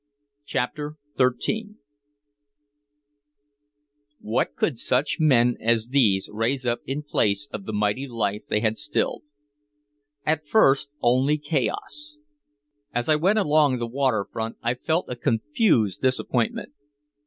CHAPTER XIII What could such men as these raise up in place of the mighty life they had stilled? At first only chaos. As I went along the waterfront I felt a confused disappointment.